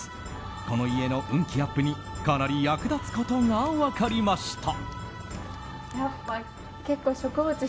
この家の運気アップにかなり役立つことが分かりました。